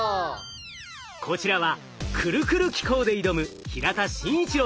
こちらはクルクル機構で挑む平田眞一郎さん。